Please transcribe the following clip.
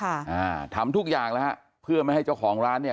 อ่าทำทุกอย่างแล้วฮะเพื่อไม่ให้เจ้าของร้านเนี้ย